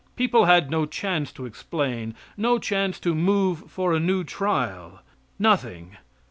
People had no chance to explain no chance to move for a new trial nothing.